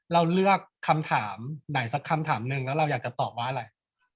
เราเลือกอีกคำถามหนึ่งแล้วเราอยากจะตอบว่าอะไร